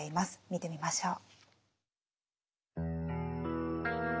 見てみましょう。